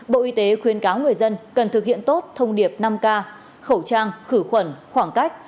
bộ y tế khuyến cáo người dân cần thực hiện tốt thông điệp năm k khẩu trang khử khuẩn khoảng cách